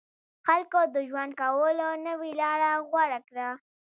خلکو د ژوند کولو نوې لاره غوره کړه.